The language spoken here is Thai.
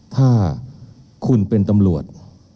ถ้าคุณเป็นตำรวจ